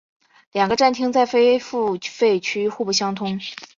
两个站厅在非付费区互不相通。